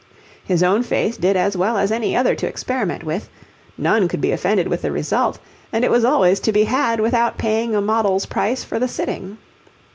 His own face did as well as any other to experiment with; none could be offended with the result, and it was always to be had without paying a model's price for the sitting.